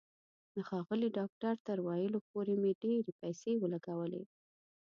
د ښاغلي ډاکټر تر ورتلو پورې مې ډېرې پیسې ولګولې.